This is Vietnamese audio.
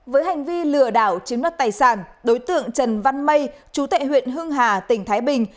với hành vi lừa đảo chiếm đoạt tài sản đối tượng trần văn mây chú tệ huyện hưng hà tỉnh thái bình